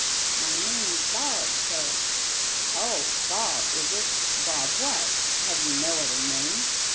"My name is Bob, sar." "Oh, Bob is it? Bob what? Have you no other name?"